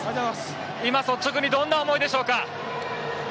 今、率直にどんな思いでしょうか。